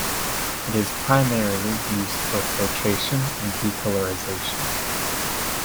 It is primarily used for filtration and decolorization.